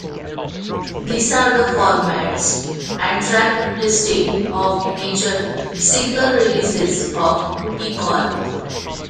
These are the formats and track listings of major single releases of "Bootie Call".